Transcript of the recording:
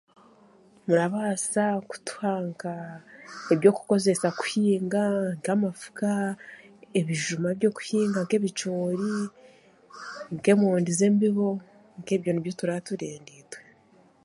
Burabaasa kutuha nka ebyokukozesa kuhinga nk'amafuka, ebijuma by'okuhinga nk'ebicoori, nk'emondi z'embibo, nk'ebyo nibyo tura turenda itwe.